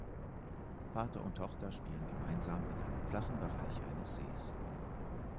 Vater und Tochter spielen gemeinsam in einem flachen Bereich eines Sees.